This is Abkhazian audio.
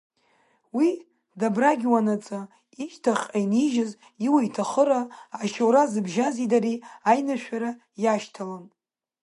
Уи дабрагьуанаҵы ишьҭахьҟа инижьыз иуа-иҭахыра, ашьаура зыбжьази дареи аиныршәара иашьҭалон.